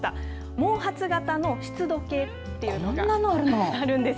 毛髪型の湿度計というのがあるんです。